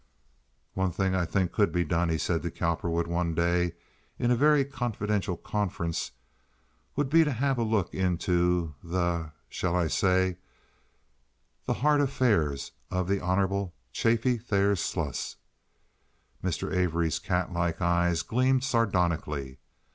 "One thing that I think could be done," he said to Cowperwood one day in a very confidential conference, "would be to have a look into the—the—shall I say the heart affairs—of the Hon. Chaffee Thayer Sluss." Mr. Avery's cat like eyes gleamed sardonically.